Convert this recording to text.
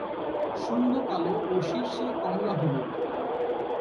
শুঙ্গ কালো ও শীর্ষে কমলা-হলুদ।